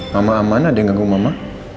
mama aman ada yang ganggu mama